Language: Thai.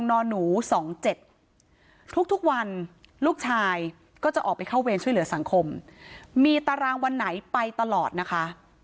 ทุกวันลูกชายก็จะออกไปเข้าเวรช่วยเหลือสังคมมีตารางวันไหนไปตลอดนะคะ